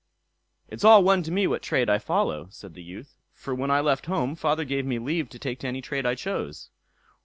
"It's all one to me what trade I follow", said the youth; "for when I left home, father gave me leave to take to any trade I chose."